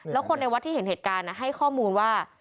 แล้วคนในวัดที่เห็นเหตุการณ์ให้ข้อมูลว่า